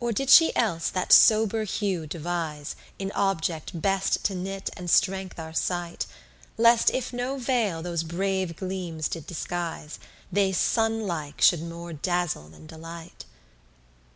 Or did she else that sober hue devise, In object best to knit and strength our sight, Lest if no veil those brave gleams did disguise, They sun like should more dazzle than delight?